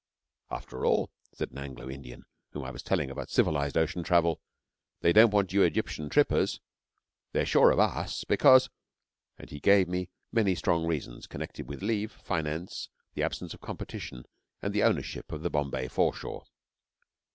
'After all,' said an Anglo Indian, whom I was telling about civilised ocean travel, 'they don't want you Egyptian trippers. They're sure of us, because ' and he gave me many strong reasons connected with leave, finance, the absence of competition, and the ownership of the Bombay foreshore.